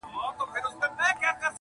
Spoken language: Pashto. خلګ وایې د قاضي صاب مهماني ده-